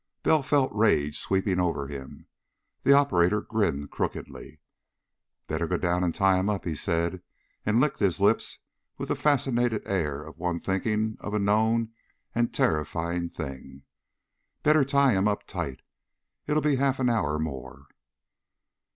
Bell felt rage sweeping over him. The operator grinned crookedly. "Better go down and tie him up," he said, and licked his lips with the fascinated air of one thinking of a known and terrifying thing. "Better tie him up tight. It'll be half an hour more."